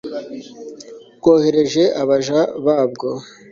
bwohereje abaja babwo